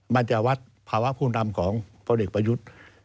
มันจะวัดภาวะผู้นำของประวัติศาสตร์ประยุทธ์